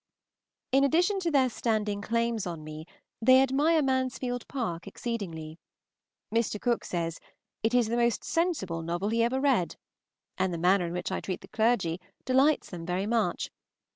In addition to their standing claims on me they admire "Mansfield Park" exceedingly. Mr. Cooke says "it is the most sensible novel he ever read," and the manner in which I treat the clergy delights them very much.